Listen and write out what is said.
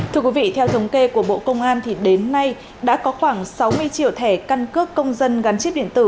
thưa quý vị theo thống kê của bộ công an thì đến nay đã có khoảng sáu mươi triệu thẻ căn cước công dân gắn chip điện tử